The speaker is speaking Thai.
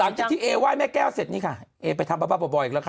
หลังจากที่เอไหว้แม่แก้วเสร็จนี่ค่ะเอไปทำบ้าบ่อยอีกแล้วค่ะ